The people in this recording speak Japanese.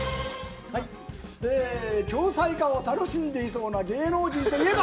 恐妻家を楽しんでいそうな芸能人といえば？